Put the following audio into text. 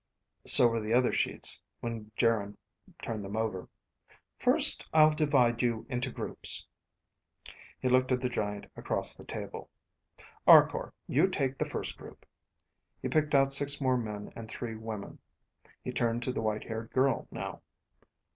So were the other sheets, when Geryn turned them over. "First, I'll divide you into groups." He looked at the giant across the table. "Arkor, you take the first group." He picked out six more men and three women. He turned to the white haired girl now.